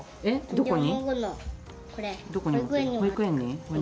どこに？